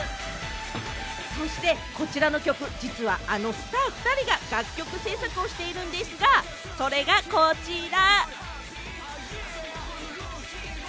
そして、こちらの曲、実はあのスター２人が楽曲制作をしているんでぃすが、それがこちら！